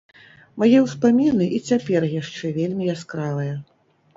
Мае ўспаміны і цяпер яшчэ вельмі яскравыя.